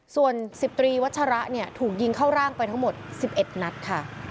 ส่วน๑๐ตรีวัชระเนี่ยถูกยิงเข้าร่างไปทั้งหมด๑๑นัดค่ะ